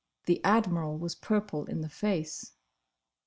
The Admiral was purple in the face.